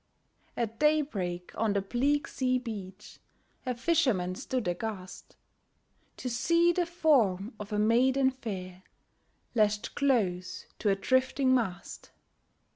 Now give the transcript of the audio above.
At day break, on the bleak sea beach A fisherman stood aghast, To see the form of a maiden fair Lashed close to a drifting mast.